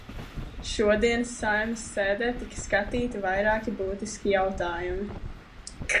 Šodienas Saeimas sēdē tika skatīti vairāki būtiski jautājumi.